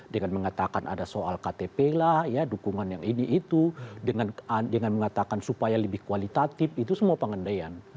dengan mengatakan ada soal ktp lah ya dukungan yang ini itu dengan mengatakan supaya lebih kualitatif itu semua pengendaian